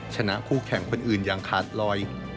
ชนะคู่แข่งคนอื่นอย่างขาดลอย